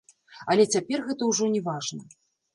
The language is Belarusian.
Але цяпер гэта ўжо не важна.